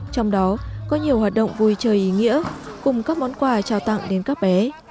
trong đó có nhiều hoạt động vui chơi ý nghĩa cùng các món quà trao tặng đến các bé